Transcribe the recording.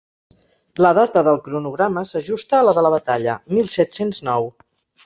La data del cronograma s'ajusta a la de la batalla: mil set-cents nou.